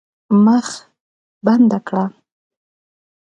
مخ بنده کړه.